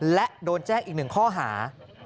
และโดนแจ้งอีกหนึ่งข้อหา